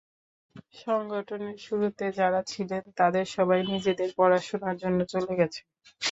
সংগঠনের শুরুতে যাঁরা ছিলেন, তাঁদের সবাই নিজেদের পড়াশোনার জন্য চলে গেছেন।